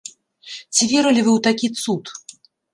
Ці верылі вы ў такі цуд?